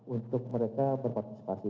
untuk mereka berpartisipasi